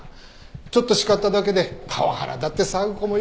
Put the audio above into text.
ちょっと叱っただけでパワハラだって騒ぐ子もいるし。